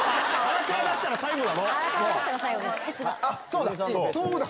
荒川出したら最後だろ。